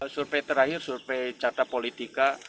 survei terakhir survei carta politika